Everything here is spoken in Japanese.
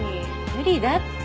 無理だって。